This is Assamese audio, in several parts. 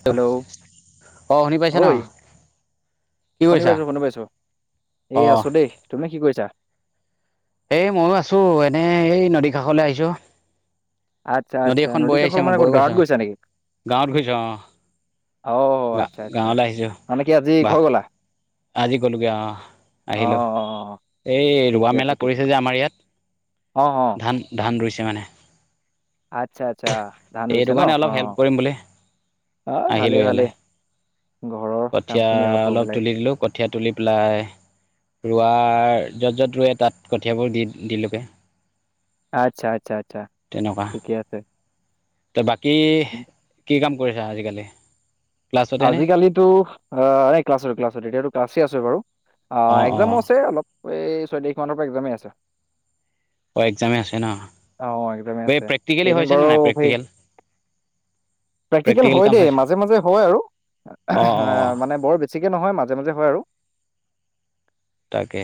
হেল' হেল্ল' অ শুনি ঐ পাইছে ন কি শুনি কৰিছা পাইছো শুনি পাইছো এই অ আছো দেই তুমি কি কৰিছা এ মইয়ো আছো এনে এই নদী কাষলৈ আহিছো আচ্ছা নদী আচ্ছা এখন বৈ কাষৰ আহিছে মই মানে বৈ ক'ত গাঁৱত গৈছো গৈছা নেকি গাঁৱত ঘুইছে অ অ গা আচ্ছা আচ্ছা গাঁৱলৈ আহিছো মানে কি আজি বা ঘৰ গ'লা আজি গ'লোগৈ অ অ আহিলো অ অ এই ৰোৱা ঠিকে আছে মেলা ঠিকে কৰিছে যে আমাৰ ইয়াত অ অ ধান ধান ৰুইছে মানে আচ্ছা আচ্ছা ধান ৰুইছে এইটো ন কাৰণে অ অলপ হেল্প কৰিম বুলি অ ভালেই আহিলোঁ ভালেই ইয়ালৈ ঘৰৰ কাম কঠীয়া খিনি আগত কৰিব অলপ লাগে তুলি দিলো কঠীয়া তুলি পেলাই ৰোৱাৰ য'ত য'ত ৰুৱে তাত কঠিয়াবোৰ দি দিলোঁগে আচ্ছা আচ্ছা আচ্ছা ঠিকে আছে ত বাকী কি কাম কৰিছা আজিকালি ক্লাছতেনে আজিকালিতো এ ক্লাছত ক্লাছত তেতিয়াতো ক্লাছ আছে বাৰু অ অঁ একজামো অঁ আছে অলপ এই ছয় তাৰিখ মানৰ পৰা একজামেই আছে অ' এক্সামে আছে ন আহ একদমেই এই আছে প্ৰেক্টিকেলি এদিন হৈছে নে বাৰু নাই সেই প্ৰেক্টিকেল প্ৰেক্টিকেল হয় কাম দেই হৈছে মাজে মাজে হয় আৰু এ অঁ অঁ মানে বৰ বেছিকে নহয় মাজে মাজে হয় আৰু তাকে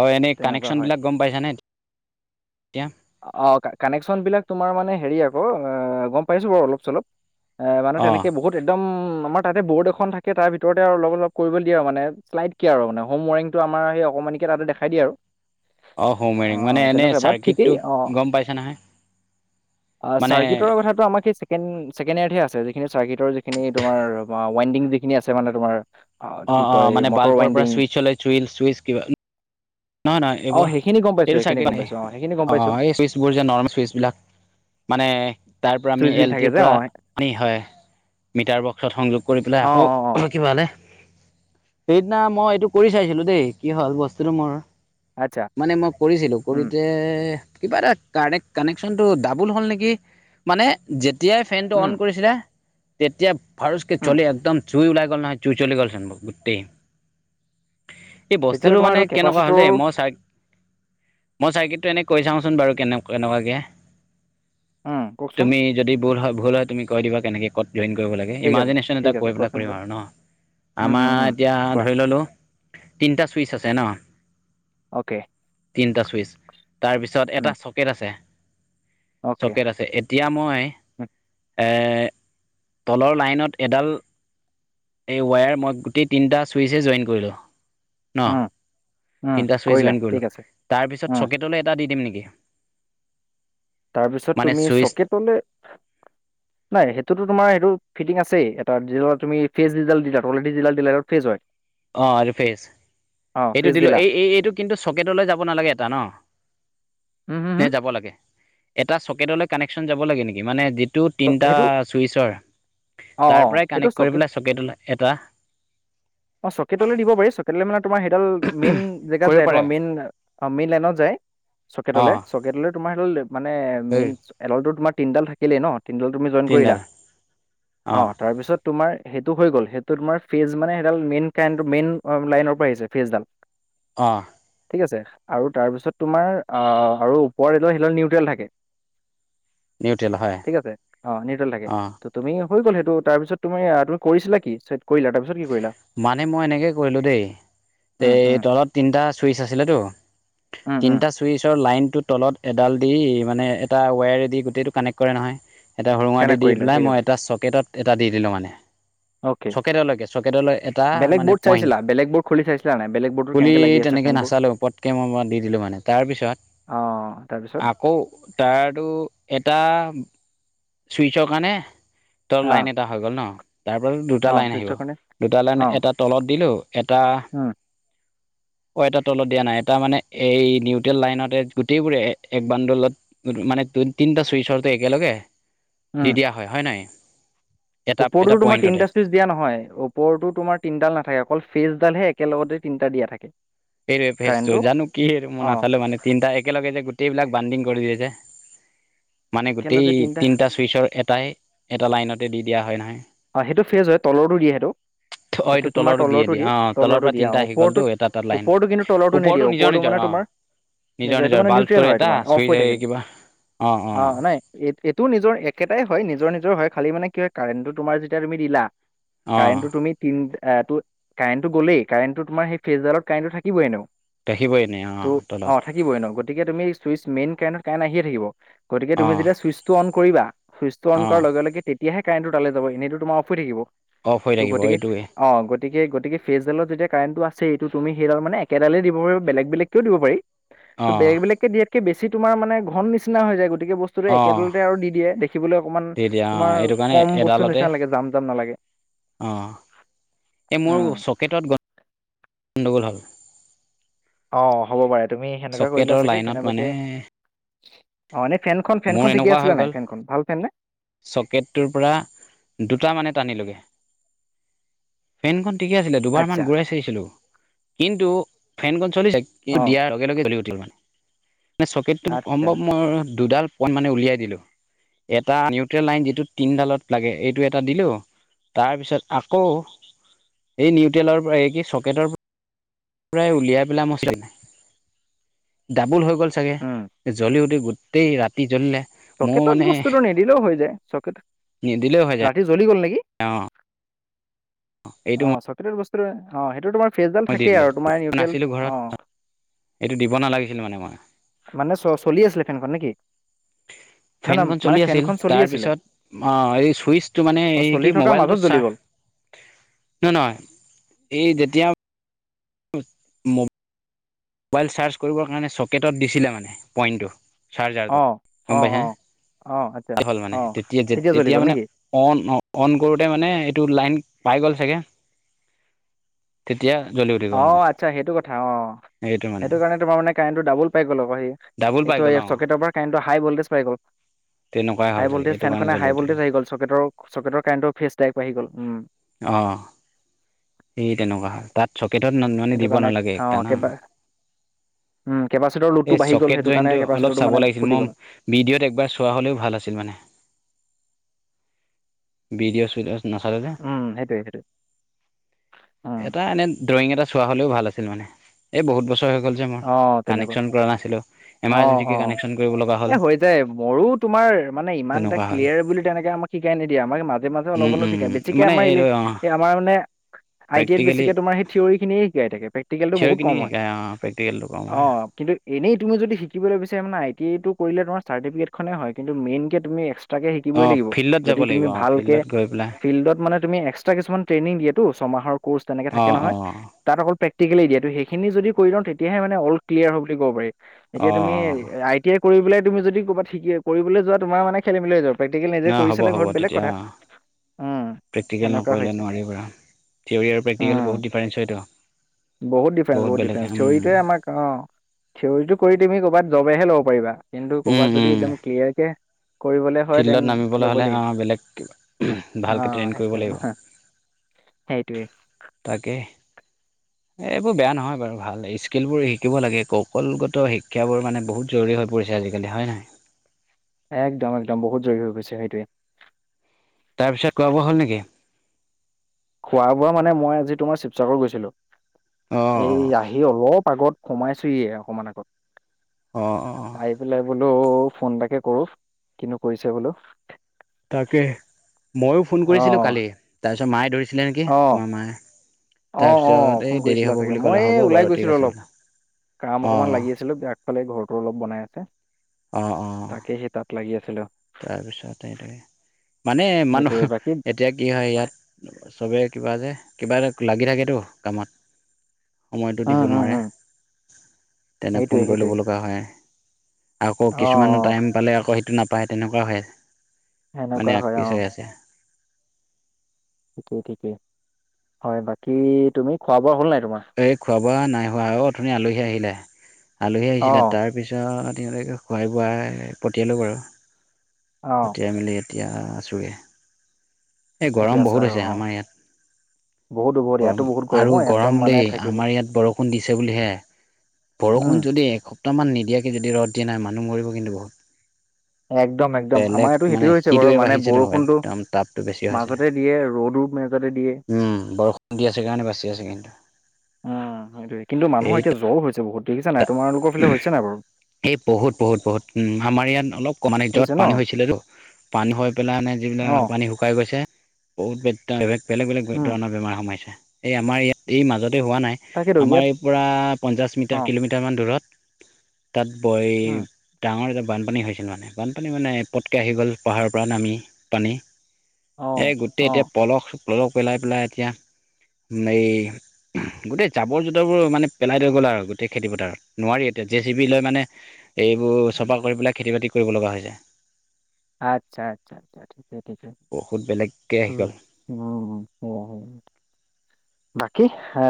অ এনেই তেনেকুৱা কানেকচন হয় বিলাক গম পাইছানে এ অ কানেকশচন বিলাক তোমাৰ মানে হেৰি আকৌ গম পাইছো বাৰু অলপ চলপ এ মানে অঁ তেনেকে বহুত একদম আমাৰ তাতে বৰ্ড এখন থাকে তাৰ ভিতৰতে আৰু অলপ অলপ কৰিবলে দিয়ে আৰু মানে শ্লাইড কিয় আৰু মানে হোম ৱাৰিংটো আমাৰ স মানেকে তাতে দেখাই দিয়ে আৰু অ হোমেৰিং মানে এনেই চাৰ্কিট দেই অঁ মানে চাৰ্কিটৰৰ কথাটো আমাক সেই ছেকেণ্ড ছেকেণ্ড ইয়াৰতহে আছে যিখিনি চাৰ্কিটৰ যিখিনি তোমাৰ ৱাইডিং যিখিন আছে মানে তোমাৰ এইটো অ কি অ কয় মানে মটৰ বাল্বৰ পৰা ৱাইণ্ডিং চুইচলে চুই চুইচ কিবা নহয় নহয় অ সেইখিনি গম পাইছো সেইখিনি গম পাইছো অ অ এই চুইচ বোৰ যে নৰ্মেল চুইচ বিলাক মানে তাৰ আমি চুইচ বিল এল থাকে টিৰ যে পৰা অ', আ হয় মিটাৰ বক্সত সংযোগ কৰি পেলাই অ', আকৌ অ', অ', অল কিবা হলে সেইদিনা মই এইটো কৰি চাইছিলো দেই কি হ'ল বস্তুটো মোৰ আচ্ছা মানে মই কৰিছিলো উম, কৰিতে কিবা এটা কাৰেক্ কানেক্শ্যনটো ডাবুল হ'ল নেকি মানে তেতিয়াই ফেনটো অন উম, কৰিছিলে তেতিয়া ভাৰচকৈ উম, চলি একদম জুই ওলাই গ'ল নহয় জুই জ্বলি লি গ'ল চৈন ব গোটেই এই তেতিয়াহ'লে বস্তুটো তোমাৰ মানে এইটো কেনেকুৱা হ'ল কেপাচিটৰ দেই মই চাৰ্ মই চাৰ্কেটটো এনেই কৈ চাওঁচোন বাৰু কেনে কেনেকুৱাকৈ উম, কওকচোন তুমি যদি ভুল হয় ভুল হয় তুমি কৈ দিবা কেনেকে ক'ত জইন কৰিব লাগে ঠিক আছে ইমাজিনেশ্যন এটা ঠিক আছে কৈ পেলাই কোৱাচোন কৰিম কোৱা আৰু ন উম, আমাৰ উম, উম, এতিয়া কোৱা ধৰি ল'লোঁ তিনিটা চুইচ আছে ন অ'কে তিনটা চুইচ তাৰ পিছত উম, এটা চকেট আছে অ'কে চকেট আছে এতিয়া মই তলৰ লাইনত এডাল এই ৱায়াৰ মই গোটেই তিনিটা চুইচে জইন কৰিলোঁ ন উম, উম, তিনটা চুইচ কৰিলা জইন কৰিলো ঠিক আছে তাৰপিছত উম, চকেটলৈ এটা দি দিম নেকি তাৰপিছত মানে তুমি চুইচ চকেটলে নাই সেইটোতো তোমাৰ সেইটো ফিটিং আছেই এটাত জিঅ তুমি ফেজ যিডাল দিলা টলেদি যিডাল দিলা ফেজ হয় অ আৰু ফেজ অ', এইটো ফেজ দিলো দিলা এই এই এইটো কিন্তু চকেটলৈ যাব নালাগে এটা ন উম, হম, নে হম, যাব লাগে এটা চকেটলৈ কানেকচন যাব লাগে নেকি মানে টো তিনিটা সেইটো চুইচৰ অ', তাৰ অ', পৰাই সেইটো কানেক্ট কৰি চকে পেলাই চকেট এটা কটলৈ দিব পাৰিছ কট মানে তোমাৰ সেইডাল মেইন জেগাত কৰিব যায় তোমাৰ পাৰে মেইন মেইন লাইনত যায় চকেটলে অঁ চকেটলে তোমাৰ সেইডাল মানে এই মেইন এডলটো তোমাৰ তিনডাল থাকিলেই ন। কিন্তু তুমি জইন কৰিলা তিনিডাল অঁ তাৰপিছত তোমাৰ সেইটো হৈ গ'ল সেইটো তোমাৰ ফেজ মানে সেইডাল মেইন কাৰেন্ট মেইন লাইনৰ পৰা আহিছে ফেজডাল অঁ ঠিক আছে আৰু তাৰপিছত তোমাৰ আৰু ওপৰৰ সেইডাল নিউট্ৰেল থাকে নিউট্ৰেল হয় ঠিক আছে অ নিউট্ৰেল থাকে অঁ ত তুমি হৈ গ'ল সেইটো তাৰপিছত তুমি তুমি কৰিছিলা কি? কৰিলা তাৰপিছত কি কৰিলা মানে মই এনেকে কৰিলো দেই উম এই উম তলত তিনিটা চুইচ আছিল টো উম উম তিনিটা চুইচৰ লাইন টো তলত এডাল দি মানে এটা ৱায়াৰে দি গোটেইটো কানেক্ট কৰে নহয় এটা সুৰুঙা দি কানেক্ট দি কৰিলা পেলাই ঠিক মই আছে এটা চকেটত এটা দি দিলোঁ মানে অ'কে চকেটলৈকে চকেটলৈ এটা বেলেগ মানে বৰ্ড পইণ্ট চাইছিলা বেলেগ বৰ্ড খুলি চাইছিলা নাই বেলেগ বৰ্ডটো খুলি কেনেকে লাগি আছে তেনেকে ফেনবোৰ নাচালো পতকে মই দি দিলো মানে তাৰ পিছত অ তাৰপিছত আকৌ তাৰতো এটা চুইচৰ কাৰণে ত অ লাইন এটা হৈ গ'ল ন তাৰ পৰা দুটা অ লাইন আহিব চুইচৰ কাৰণে দুটালাইন অ এটা তলত দিলো এটা উম [inaudible] অ এটা তলত দিয়া নাই এটা মানে এই নিউট্ৰেল লাইনতে গোটেইবোৰে এক বান্দোলত মানে দু তিনিটা চুইচৰো একেলগে দি দিয়া হয় হয় নহয় এটা এটা ওপৰটোতো তোমাৰ পইণ্টতে তিনিটা চুইচ দিয়া নহয় ও ওপৰতো তোমাৰ তিনিদাল নাথাকে অকল ফেচডালহে একেলগে তিনিটা দিয়া থাকে সেইটোৱে ফেচটো কাৰেণ্টটো জানো কি মই অ নাচালোঁ মানে তিনিটা একেলগে যে গোট টেইবিলাক বানণ্ডিং কৰি দিছে মানে গোটেই তিনিটা চুইচৰ এটাই এটা লাইনতে দি দিয়া হয় নহয় অ সেইটো ফ্ৰেজ হয় তলৰটো দিয়ে সেইটো অ সেইটো এইটো তোমাৰ তলৰো তলৰটো দিয়ে অ তলৰ তলৰটো পৰা দিয়া তিনিটা আহি গ'লতো ওপৰটোত এটা এটা লাইন ওপৰ টো কিন্তু তলতো নিদিয়ে নিজৰ ওপৰতো নিজৰ মানে অ তোমাৰ নিজৰ সেইটো মানে নিউট্ৰেল বাল্বটোৰ হয় এটা তোমাৰ অফ চুইচ হৈ এই থাকিল কিবা অ নাই এইটো নিজৰ একেটাই হয় নিজৰ নিজৰ হয় খালী মানে কি হয় কাৰেণ্টটো তোমাৰ যেতিয়া তুমি দিলা অ কাৰেণ্টো তুমি তিনি তটো কাৰেণ্টটো গ'লেই কাৰেণ্টটো তোমাৰ সেই ফেচডালত কাৰেণ্টটো থাকিবই এনেও দেখিবই এনেই অ ত' অ তলত থাকিবই ন গতিকে তুমি চুইচ মেইন কাৰেন্টটোত কাৰেন্ট আহিয়ে থাকিব গতিকে অ তুমি যেতিয়া চুইচটো আন কৰিবা, চুইটো আন অ কৰিবা লগে লগে তেতিয়াহে কাৰেন্ট টো তালে যাব এনেটো তোমাৰ অফহৈ থাকিব অফ হৈ ত' থাকিব গতিকে এইটোৱে অ গতিকে গতিকে ফেজডালত যেতিয়া কাৰেণ্টো আছেই এইটো তুমি সেইডাল মানে একেডালে দিব পাৰা বেলেগ বেলেগকও দিব পাৰি ত অ বেলেগ বেলেগকে দিয়াতকে বেছি তমাৰানে ঘন নিচিনা হৈ যায় গতিকে বস্তুটো অ একেডালতে আৰু দি দিয়ে দেখিবলৈ অকমান দি দিয়া অ তোমাৰ এইটো কাৰণে কম বস্তু এডালতে নিচিনা লাগে জাম জাম নালাগে এ মোৰ উম চকেটত গ গণ্ডগোল হল অ হ'ব পাৰে তুমি সেনেকুৱা কৰিলা চকেটৰ চাগে লাইনত মানে কেনেবাকে অ এনেই ফেনখন মোৰ ফেনখন ঠিকে এনেকুৱা হৈ আছিলে গ'ল নাই ফেনখন ভাল ফেন নে চকেটটোৰ পৰা দুটা মানে টানি লোগে ফেনখন ঠিকে আছিলে দুবাৰ মান আচ্ছা ঘুৰাই চাইছিলোঁ কিন্তু ফেনখন চলিছে কিন্তু অ দিয়াৰ লগে লগে জ্বলি উঠ ঠিলমানে চকেটো কম আচ্ছা বা মই [unintelligible] দুডাল পইণ্ট মানে উলিয়াই দিলো এটা নিউত লাইন যিটো তিনিডালৰ লাগে এইটো এটা দিলো তাৰপিছত আকৌ এই নিউট্ৰেলৰ পৰা এই কি চকেটৰ পৰা পৰাই উলিয়াই পেলাই মই চাই, ডাবুল হৈ গ'ল চাগে উম জ্বলি উঠি গো গোটেই ৰাতি জ্বলিলে মোৰ চকেটত মানে বস্তুটো নিদিলেও হৈ যায় চকেটত নিদিলেও হৈ যায় ৰাতি জ্বলি গ'ল নেকি? অ এইটো অ চকটৰ [unintelligible] বস্তু অ সেইটো তোমাৰ ফেচডাল মই দি থাকেই দিলোঁ আৰু তোমাৰ নিউট্ৰেল নাছিলোঁ ঘৰত অ এইটো দিব নালাগিছিল মানে মই ফেন খন নেকি নহয় ফেনখন নহয় মানে চলি আছিল ফেনখন চলি আছিলে তাৰপিছত এই চুইচটো মানে অ এই চলি কি থকাৰ মাজত মোবাইলটো চাৰ্ [inaudible] নহ নহয় এই যেতিয়া ম মোবাইল চাৰ্জ কৰিবৰ কাৰণে চকেটত দিছিলে মানে পইণ্টটো অ চাৰ্জাৰটো অ গম পাইছে অ অ আচ্ছা নে ভাল অ মানে তেতিয়া জ্বলি তেতিয়া গ'ল মানে নেকি অন অন কৰোতে মানে এইটো লাইন পাই গল চাগে তে অ আচ্ছা সেইটো কথা অ সেইটো কাৰণে তোমাৰ মানে কাৰেণ্টটো ডাবুল পাই গ'ল। ডাবুল পাই এইটো গ'ল এই অ' চকেটৰ পৰা কাৰেণটো হাই ভল্টেজ পাই গ'ল। তেনেকুৱাই হাই হ'ল চাগে ভল্টেজ এইটো কাৰণে ফেনখনে জ্বলি হাই উঠিল ভল্টেজ আহি গল চকেটৰ চকেটৰ কাৰেণ্টৰ ফেচ ডক আহি গ'ল উম। অহ [inaudible] সেই তেনেকুৱা হয় তাত। চকেটত মানে সেইটো দিব কাৰণে নালাগে অ একটা ন একেবাৰে কেপাচিটৰ এই লোডটো বাঢ়ি গ'ল চকেট সেইটো কাৰণে জইনটো অলপ কেপাচিটাটো চাব মানে লাগিছিল ফুটি মই গ'ল। [inaudible] ভিডিঅ'ত বিডিঅ চিদেও উম সেইটোৱে সেইটোৱে উম, এটা এনে ড্ৰয়িং এটা চোৱা হলেও ভাল আছিল মানে এই বহুত বছৰ ত হৈ গ'ল যে মোৰ অ' তেনেকুৱা কানেকন কৰা নাছিলো অ' অ' এমাৰজেঞ্চি কানেকচন কৰিব লগা এই হ'ল। হৈ যায় মোৰো তোমাৰ মানে ইমান এটা তেনেকুৱা হ'ল ক্লিয়াৰ বুলি তেনেকে আমাক শিকাই নিদিয়ে আমাক মাজে মাজে অলপ উম অলপ উম শিকায় বেছিকে মানে আমাৰ এইটো অঁ স আমাৰ মানে আই টি এ বেছিকে তোমাৰ সেই থিয়ৰি খিনিয়ে শিকাই থাকে। প্ৰেক্টিকেলটো থিঅৰি বহুত কম খিনি হয় শিকাই অঁ কওঁ অ মই কিন্তু এনেই তুমি যদি শিকিবলৈ বিচাৰা মানে ইটোয়ে সিটোৱে কৰিলে তোমাৰ চাৰ্টিফিকেখনে হয় কিন্তু মেইন কে তুমি তাকে শিকিবই অঁ লাগিব ফিল্ডত যদি যাব তুমি লাগিব অঁ ভালকে ফিল্ডত গৈ পেলাই ফিল্ডত মানে তুমি এক্সট্ৰা কিছু ট্ৰেইনিং দিয়েতো ছয়মাহৰ ক'ৰ্চ তেনেকে থাকে অঁ অঁ নহয় অঁ তাত অকল প্ৰেকটিকেলি সেইখিনিদি লওঁ তেতিয়াহে মান অল কিল্লিয়াৰ হ'ল বুলি কব পাৰি। এতিয়া তুমি অঁ আই টি আই কৰি পেলাই তুমি যদি ক'ৰবাত শিকি কৰিবলৈ যোৱা তোমাৰ মানে খেলি মেলি হৈ যাব। প্ৰেক্টিকেল নিজে নহয় কৰি হ'ব চালে হ'ব ঘৰত বেলেগ তেতিয়া কথা অঁ উম সেনেকুৱা হৈছে। থিয়ৰৰি আৰু উম। প্ৰেকটিকেল বহুত ডিফাৰেন্ঞ্চ হয় টো বহুত ডিফাৰেন্ঞ্চ বহুত ডিফাৰেঞ্চ থিয়ৰিটোৱে আমাক অ থিয়ৰিটো তুমি কৰ'বাত জবহে ল'ব পাৰিবা কিন্তু উম, ক'ৰবাত যদি উম, একদম ক্লিয়াৰ কে কৰিবলে হয় দেন ফিল্ডত নামিবলৈ লব হ'লে লাগিব অ', বেলেগ ভালকে ট্ৰেইন আহ কৰিব একদম। লাগিব সেইটোৱে এ এইবোৰ বেয়া নহয় বাৰু ভাল স্কিল বোৰ শিকিব লাগে কৌশলগত শিক্ষাবোৰ মানে বহুত জৰুৰী হৈ পৰিছে। আজিকালি হয় নহয়। একদম একদম বহুত জৰুৰী হৈ গৈছে সেইটোৱে তাৰপিছত খোৱা বোৱা হ'ল নেকি? খোৱা বোৱা মানে মই আজি তোমাৰ শিৱসাগৰত গৈছিলো অ', এই অ', আহি অলপ আগত। সোমাইছোয়ে অকমান আগত অ', অ', পাই পেলাই বোলো। ফোন এটাকে কৰো কিনো কৰিছে বোলো। তাকে ময়ো ফোন অ কৰিছিলো কালি তাৰপিছত মায়ে ধৰিছিলে নেকি অ তোমাৰ মায়ে অ অ তাৰপিছত এই ফোন দেৰি কৰিছিলা হ'ব চাগে বুলি ক'লে মই হ'ব এই ওলাই বাৰু ঠিক গৈছিলো আছে অলপ বোলে কাম অকনমান অ', লাগি আছিলো আগফালে ঘৰটো অলপ বনাই আছে। তাকে সি তাত লাগি আছিলো। তাৰ পিছতে এইটো মানে মানুহ সেইটোৱে বাকী এতিয়া কি হয় ইয়াত চবে কিবা যে কিবা এ লাগি থাকেতো কামত। সময়টো উম দিব উম নোৱাৰে উম তেনে সেইটোৱে ফোন কৰি সেইটোৱে ল'ব লগা হয়। আকৌ অ অ কিছুমানৰ টাইম পালে আকৌ সেইটো নাপায় তেনেকুৱাও হয়। সেনেকুৱা মানে আগ হয় অ পিছ হৈ আছে। ঠিকেই ঠিকেই হয় বাকী তুমি খোৱা বোৱা হ'ল নাই। তোমাৰ এই খোৱা বোৱা নাই হোৱা অ অথুনি আলহী আহিলে আলহী অ আহিছিলে তাৰ পিছত তেওলোককে খোৱাই বোৱাই পঠিয়ালোঁ বাৰু অ পঠিয়াই মেলি ইয়াত এতিয়া আছোগে এই গৰম এতিয়া আছা বহুত আৰু হৈছে অ আমাৰ ইয়াত বহুত বহুত গৰম ইয়াতো বহুত আৰু অ একদম গৰম মানে দেই থাকিব আমাৰ ইয়াত বৰষুণ দিছে বুলি হে উম বৰষুণ যদি এসপ্তাহ মান নিদিয়াকে যদি ৰদ দিয়া নাই, মানুহ মৰিব কিন্তু বহুত। একদম একদম আমাৰ ইয়াতো বেলেগ মানে সেইটোৱে হৈছে বাৰু সিটোৱে মানে বাঢ়িছেতো বৰষুণটো একদম টাপটো বেছি হৈছে। মাজতে দিয়ে ৰ'দো মাজতে দিয়ে উম বৰষুণ দি আছে কাৰণে বাচি আছে কিন্তু। উম সেইটোয়ে কিন্তু মানুহৰ এই এতিয়া জ্বৰ হৈছে বহুত। দেখিছা নাই তোমালোকৰ ফালে হৈছে নাই বাৰু এই বহুত বহুত বহুত, আমাৰ ইয়াত অলপ অকণমানে যত হৈছে ন পানী হৈছিলেতো পানী হৈ পেলাইানে যিবিলাক অ পানী শুকাই গৈছে, বহুত গা বেলেগ বেলেগ উম ধৰণৰ বেমাৰ সোমাইছে, এই আমাৰ ইয়াত এই মাজত হোৱা নাই, তাকেতো আমাৰ ইয়াত এই পৰা পঞ্চাছ অ মিটাৰ কিলোমিটাৰমান দূৰত, তাত বয় উম ডাঙৰ এজাপ বানপানী হৈছিল মানে, বানপানী মানে পটকৈ আহি গ'ল পাহাৰৰ পৰা নামি পানী। অ এ গোটেই অ এতিয়া পলস পলস পেলাই পেলাই এতিয়া এই গোটেই জাবৰ জোতৰবোৰ মানে পেলাই থৈ গ'ল আৰু গো গোটেই খেতিপথাৰত, নোৱাৰি এতিয়া জে চি বি লৈ মানে এইবোৰ চফা কৰি পেলাই খেতি বাতি কৰিব লগা হৈছে। আচ্ছা আচ্ছা আচ্ছ ঠিকেই ঠিকেই। বহুত বেলেগকৈ আহি উম গ'ল। হেইয়াই বাকী এ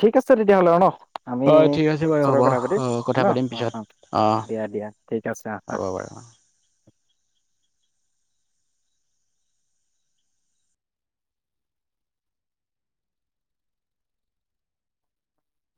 ঠিক আছে তেতিয়াহ'লে আৰু ন। আমি হয় ঠিক আছে বাৰু চবৰ হ'ব কথা পাতিম কথা ন, পাতিম অ পিছত অ দিয়া দিয়া, ঠিক আছে আ অ